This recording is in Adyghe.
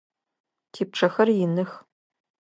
Типчъэхэр иных.